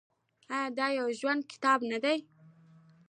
آیا دا یو ژوندی کتاب نه دی؟